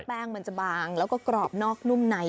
แป้งมันจะบางแล้วก็กรอบนอกนุ่มใน